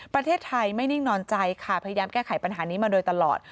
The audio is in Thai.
ประเทศไทยไม่นิ่งนอนใจค่ะพยายามแก้ไขปัญหานี้มาโดยตลอด